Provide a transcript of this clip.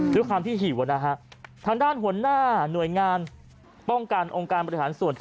ด้วยความที่หิวนะฮะทางด้านหัวหน้าหน่วยงานป้องกันองค์การบริหารส่วน